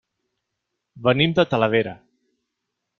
Venim de Talavera.